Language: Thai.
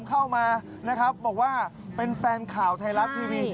เข้ามานะครับบอกว่าเป็นแฟนข่าวไทยรัฐทีวี